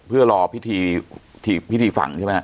เพื่อรอพิธีฝังใช่ไหมครับ